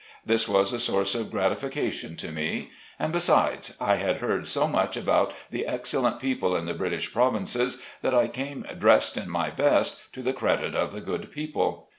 This was a source of gratification to me. And besides, I had heard so much about the excellent people in the British Provinces that I came dressed in my best, to the credit of the good people.